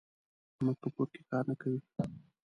احمد په کور کې کار نه کوي.